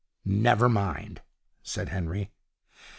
'Never mind,' said Henry.